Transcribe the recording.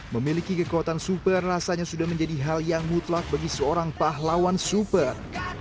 memiliki kekuatan super rasanya sudah menjadi hal yang mutlak bagi seorang pahlawan super